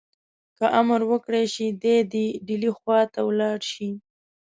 که امر وکړای شي دی دي ډهلي خواته ولاړ شي.